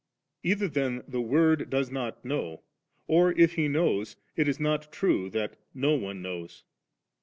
Either then the Word does not know, or if He knows, it is not true that * no one knows.'